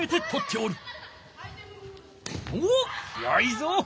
おっよいぞ！